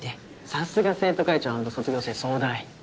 さすが生徒会長アンド卒業生総代。